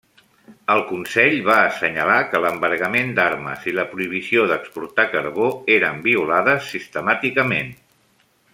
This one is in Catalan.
El Consell va assenyalar que l'embargament d'armes i la prohibició d'exportar carbó eren violades sistemàticament.